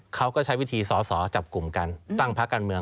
เขาก็ใช้วิธีสอสอจับกลุ่มกันตั้งพักการเมือง